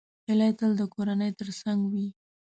هیلۍ تل د کورنۍ تر څنګ وي